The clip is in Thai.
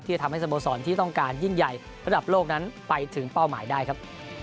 จะทำให้สโมสรที่ต้องการยิ่งใหญ่ระดับโลกนั้นไปถึงเป้าหมายได้ครับ